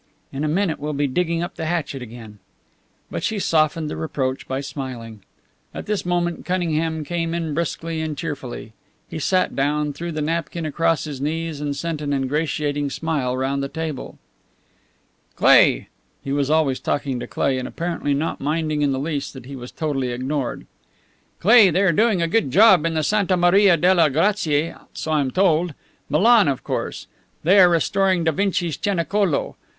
In a minute we'll be digging up the hatchet again." But she softened the reproach by smiling. At this moment Cunningham came in briskly and cheerfully. He sat down, threw the napkin across his knees, and sent an ingratiating smile round the table. "Cleigh" he was always talking to Cleigh, and apparently not minding in the least that he was totally ignored "Cleigh, they are doing a good job in the Santa Maria delle Grazie, so I am told. Milan, of course. They are restoring Da Vinci's Cenacolo.